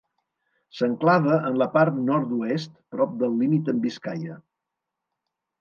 S'enclava en la part nord-oest, prop del límit amb Biscaia.